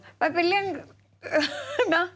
มันเป็นเรื่องเนอะ